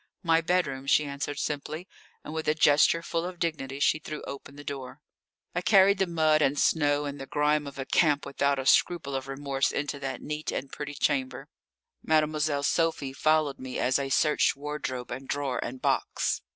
"My bedroom," she answered simply, and with a gesture full of dignity she threw open the door. I carried the mud and snow and the grime of a camp without a scruple of remorse into that neat and pretty chamber. Mademoiselle Sophie followed me as I searched wardrobe and drawer and box.